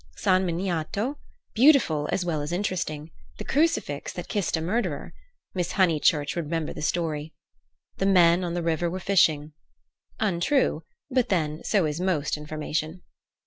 San Miniato—beautiful as well as interesting; the crucifix that kissed a murderer—Miss Honeychurch would remember the story. The men on the river were fishing. (Untrue; but then, so is most information.)